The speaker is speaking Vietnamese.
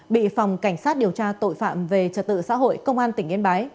bị phòng cảnh sát điều tra tội phạm về trật tự xã hội công an tỉnh yên bái